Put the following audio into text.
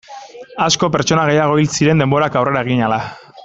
Asko pertsona gehiago hil ziren denborak aurrera egin ahala.